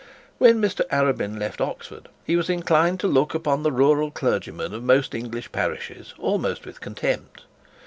When Mr Arabin left Oxford, he was inclined to look upon the rural clergymen of most English parishes almost with contempt.